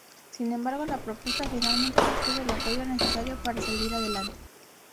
Sin embargo, la propuesta finalmente no obtuvo el apoyo necesario para salir adelante.